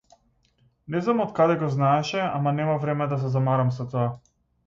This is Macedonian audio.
Не знам од каде го знаеше ама немав време да се замарам со тоа.